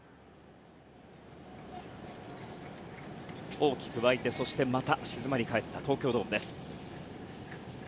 大きく沸いてそしてまた静まり返った東京ドーム。